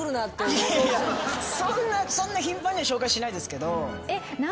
そんな頻繁には紹介しないですけど。